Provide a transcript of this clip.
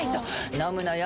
飲むのよ